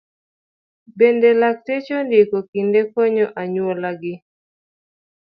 Bende, lakteche ondiki kendo konyo anyuola gi.